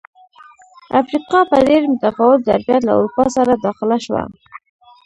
افریقا په ډېر متفاوت ظرفیت له اروپا سره داخله شوه.